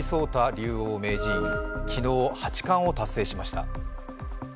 竜王名人、昨日、八冠を達成しました。